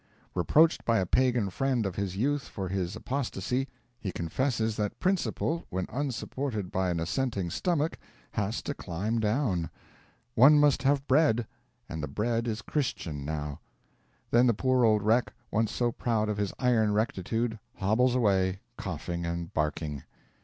Reproached by a pagan friend of his youth for his apostasy, he confesses that principle, when unsupported by an assenting stomach, has to climb down. One must have bread; and 'the bread is Christian now.' Then the poor old wreck, once so proud of his iron rectitude, hobbles away, coughing and barking.